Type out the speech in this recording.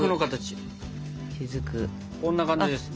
こんな感じですね？